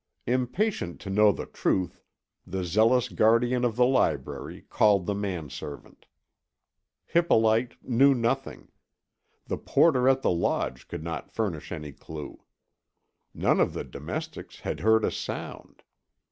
Impatient to know the truth, the zealous guardian of the library called the manservant. Hippolyte knew nothing. The porter at the lodge could not furnish any clue. None of the domestics had heard a sound.